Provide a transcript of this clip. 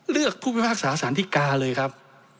เลือกผู้วิทยาภาคสหสานิกาเลยครับ